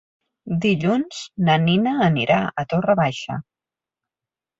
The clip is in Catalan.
Dilluns na Nina anirà a Torre Baixa.